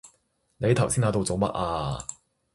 你頭先喺度做乜啊？